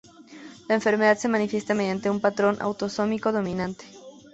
La enfermedad se manifiesta mediante un patrón autosómico dominante.